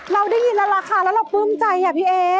เราได้ยินแล้วราคาแล้วเราปลื้มใจอ่ะพี่เอ๊